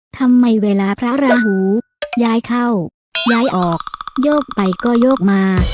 ทำไมเวลาพระราหูย้ายเข้าย้ายออกโยกไปก็โยกมา